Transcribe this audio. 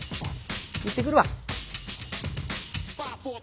行ってくるわ。